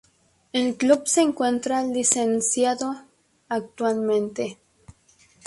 El club se encuentra licenciado actualmente.